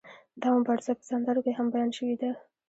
دا مبارزه په سندرو کې هم بیان شوې ده.